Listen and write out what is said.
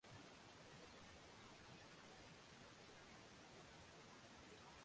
Kutoka Juventus kwenda Real Madrid uliweka rekodi ya dunia